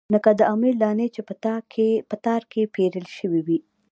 لکه د امېل دانې چې پۀ تار کښې پېرلے شوي وي